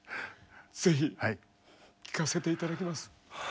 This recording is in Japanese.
ぜひ聴かせて頂けます？